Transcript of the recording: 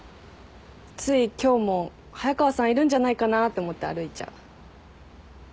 つい今日も早川さんいるんじゃないかなって思って歩いちゃう。